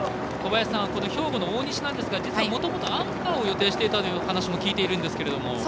兵庫の大西なんですがもともとアンカーを予定していたという話も聞いているんですけれども。